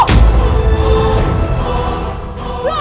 tunggu kisah nak